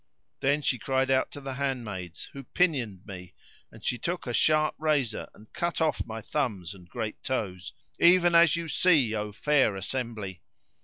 Then she cried out to the handmaids, who pinioned me; and she took a sharp razor and cut off my thumbs and great toes; even as you see, O fair assembly!